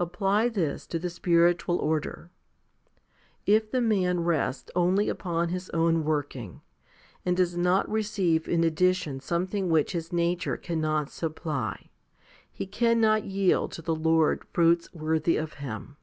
Apply this to the spiritual order. If the man rests only upon his own working, and does not receive in addition something which his nature cannot supply, he cannot yield to the Lord fruits worthy of Him.